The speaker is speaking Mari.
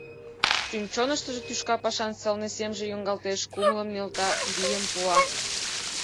Шӱм-чоныштыжо тӱшка пашан сылне семже йоҥгалтеш, кумылым нӧлта, вийым пуа.